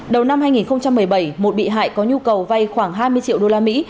đầu năm hai nghìn một mươi bảy một bị hại có nhu cầu vay khoảng hai mươi triệu đô la mỹ